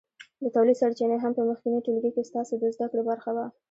د تولید سرچینې هم په مخکېني ټولګي کې ستاسو د زده کړې برخه وه.